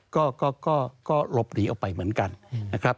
ก็หลบหนีออกไปเหมือนกันนะครับ